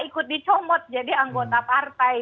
ikut dicomot jadi anggota partai